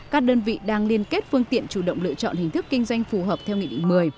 các đơn vị đang liên kết phương tiện chủ động lựa chọn hình thức kinh doanh phù hợp theo nghị định một mươi